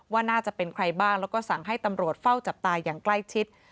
ว่าน่าจะเป็นใครบ้างแล้วก็สั่งให้ตำรวจเฝ้าจับตายอย่างใกล้ชิด